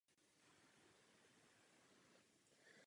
Celé město se ho vydává hledat.